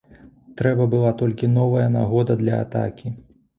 Трэба была толькі новая нагода для атакі.